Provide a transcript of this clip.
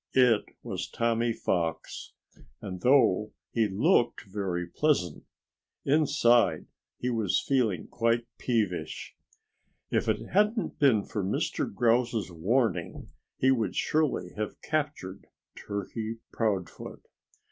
It was Tommy Fox. And though he looked very pleasant, inside he was feeling quite peevish. If it hadn't been for Mr. Grouse's warning he would surely have captured Turkey Proudfoot.